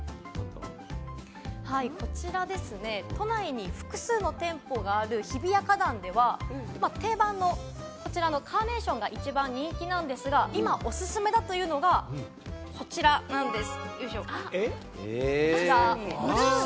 こちらですね、都内に複数の店舗がある日比谷花壇では定番のこちらのカーネーションが一番人気なんですが、今おすすめだというのがこちらなんです。